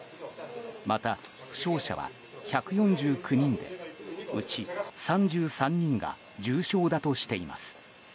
また、負傷者は１４９人でうち３３人が重傷だとしています。